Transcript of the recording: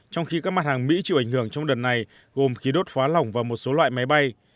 trong khi các mặt hàng mỹ chịu ảnh hưởng trong đợt này gồm khí đốt hóa lỏng và một số loại máy bay